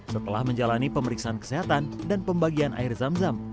setelah menjalani pemeriksaan kesehatan dan pembagian air zam zam